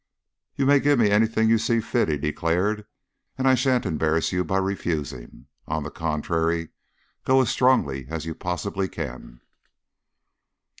"You may give me anything you see fit," he declared, "and I sha'n't embarrass you by refusing. On the contrary, go as strongly as you possibly can."